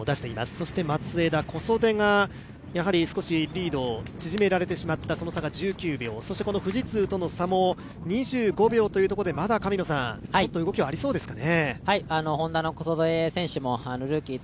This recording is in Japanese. そして松枝、小袖がやはり少しリードを縮められてしまった、その差が１９秒、富士通との差も２５秒ということで、まだ動きはありそうですかね？